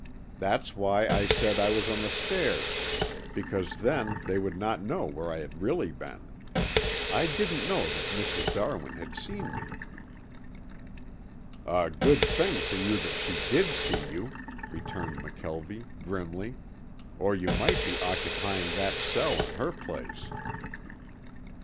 That's why I said I was on the stairs because then they would not know where I had really been. I didn't know that Mrs. Darwin had seen me." "A good thing for you that she did see you," returned McKelvie grimly, "or you might be occupying that cell in her place."